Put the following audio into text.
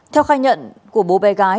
theo khai nhận của bố bé gái